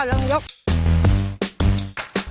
ตัดเฉียงชัดเฉียงตัดเฉียง